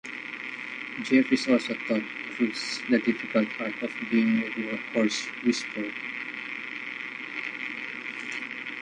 Jefferys also taught Crewes the difficult art of being a horse whisperer.